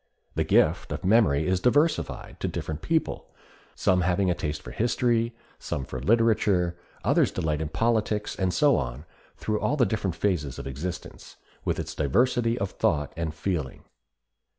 The gift of memory is diversified to different people, some having a taste for history, some for literature; others delight in politics, and so on through all the different phases of existence, with its diversity of thought and feeling.